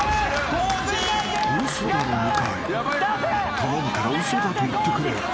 ［頼むから嘘だと言ってくれ］